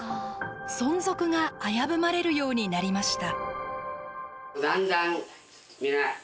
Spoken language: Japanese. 存続が危ぶまれるようになりました。